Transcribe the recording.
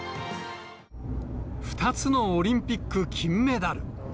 ２つのオリンピック金メダル。